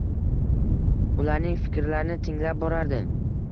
Ularning fikrlarini tinglab borardi.